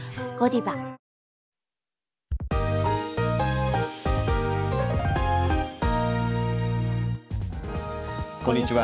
こんにちは。